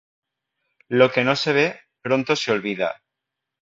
Lo que no se ve, pronto se olvida.